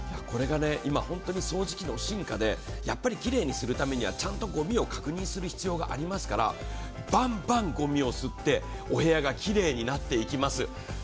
これが今、本当に掃除機の進化できれいにするためにはちゃんとごみを確認する必要がありますから、ばんばんごみを吸って、お部屋がきれいになっていきます。